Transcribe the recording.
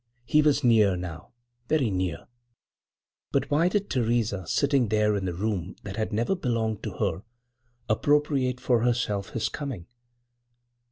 He was near now, very near,—but why did Theresa, sitting there in the room that had never belonged to her, appropriate for herself his coming?